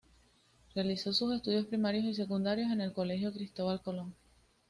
Realizó sus estudios primarios y secundarios en el Colegio Cristóbal Colón.